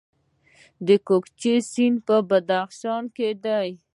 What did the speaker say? د کوکچې سیند په بدخشان کې دی